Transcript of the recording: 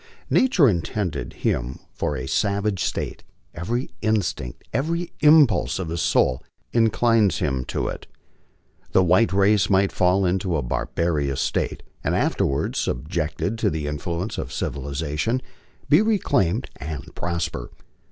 Nature intended him for a savage state ; every instinct, every impulse of his soul inclines him to it. The white race might fall into a barbarous state, and afterwards, subjected to the influence of civilization, be reclaimed and prosper.